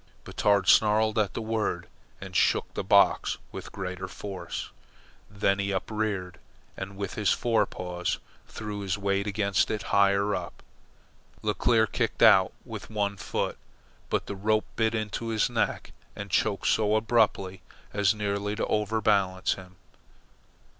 Batard snarled at the word and shook the box with greater force. Then he upreared, and with his fore paws threw his weight against it higher up. Leclere kicked out with one foot, but the rope bit into his neck and checked so abruptly as nearly to overbalance him.